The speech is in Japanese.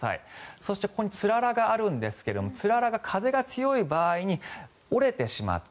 そして、ここにつららがあるんですがつららが風が強い場合に折れてしまって